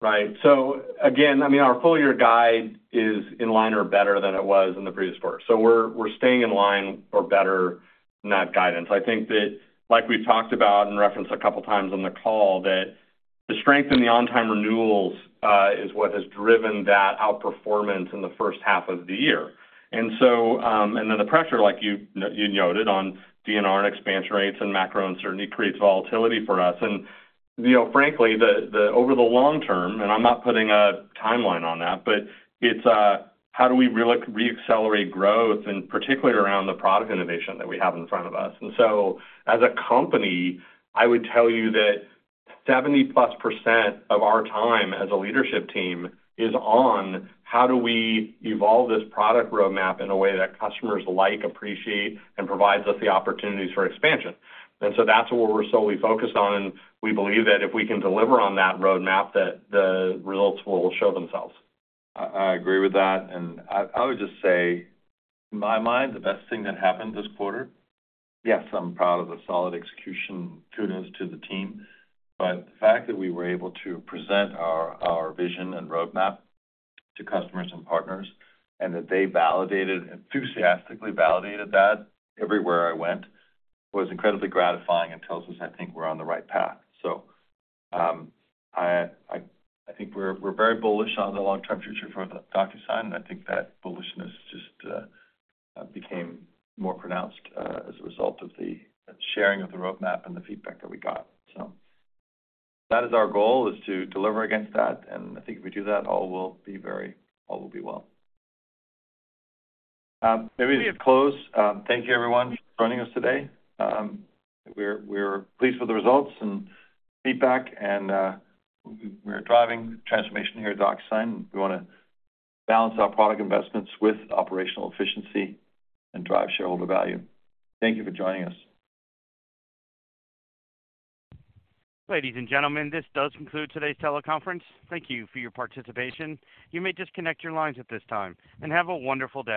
[SPEAKER 4] Right. So again, I mean, our full-year guide is in line or better than it was in the previous quarter, so we're staying in line or better in that guidance. I think that, like we've talked about and referenced a couple of times on the call, that the strength in the on-time renewals is what has driven that outperformance in the first half of the year. And so, and then the pressure, like you noted, on DNR and expansion rates and macro uncertainty creates volatility for us. And, you know, frankly, the over the long term, and I'm not putting a timeline on that, but it's, how do we reaccelerate growth, and particularly around the product innovation that we have in front of us? And so, as a company, I would tell you that 70+% of our time as a leadership team is on how do we evolve this product roadmap in a way that customers like, appreciate, and provides us the opportunities for expansion. And so that's what we're solely focused on, and we believe that if we can deliver on that roadmap, that the results will show themselves.
[SPEAKER 3] I agree with that, and I would just say, in my mind, the best thing that happened this quarter, yes, I'm proud of the solid execution kudos to the team, but the fact that we were able to present our vision and roadmap to customers and partners, and that they validated, enthusiastically validated that everywhere I went, was incredibly gratifying and tells us I think we're on the right path. So, I think we're very bullish on the long-term future for DocuSign, and I think that bullishness just became more pronounced as a result of the sharing of the roadmap and the feedback that we got. So that is our goal, is to deliver against that, and I think if we do that, all will be very- all will be well. Maybe to close, thank you everyone for joining us today. We're pleased with the results and feedback and, we're driving transformation here at DocuSign. We wanna balance our product investments with operational efficiency and drive shareholder value. Thank you for joining us.
[SPEAKER 1] Ladies and gentlemen, this does conclude today's teleconference. Thank you for your participation. You may disconnect your lines at this time, and have a wonderful day.